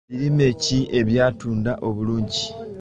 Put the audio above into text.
Birime ki ebyatunda obulungi?